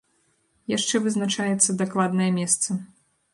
Яшчэ вызначаецца дакладнае месца.